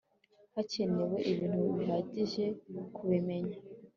hakenewe ibintu bihagije kubimenya